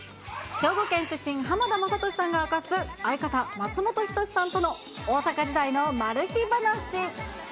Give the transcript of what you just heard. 兵庫県出身、浜田雅功さんが明かす、相方、松本人志さんとの大阪時代のマル秘話。